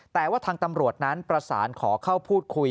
แต่ว่าทางตำรวจนั้นประสานขอเข้าพูดคุย